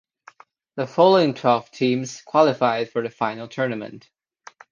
The following twelve teams qualified for the final tournament.